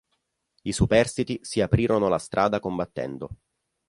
I superstiti si aprirono la strada combattendo.